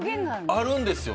あるんですよ